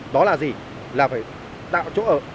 đó là gì là phải tạo chỗ ở